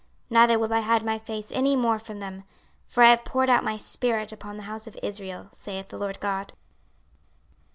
26:039:029 Neither will I hide my face any more from them: for I have poured out my spirit upon the house of Israel, saith the Lord GOD.